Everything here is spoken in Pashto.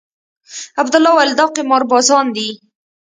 عبدالله وويل دا قمار بازان دي.